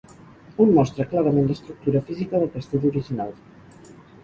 Un mostra clarament l'estructura física del castell original.